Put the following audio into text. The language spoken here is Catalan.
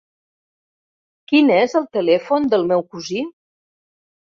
Quin és el telèfon del meu cosí?